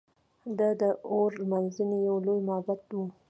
دا د اور لمانځنې یو لوی معبد و